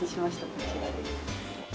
こちらです。